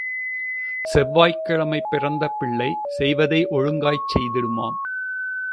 செவ்வாய்க் கிழமை பிறந்த பிள்ளை செய்வதை ஒழுங்காய்ச் செய்திடுமாம்.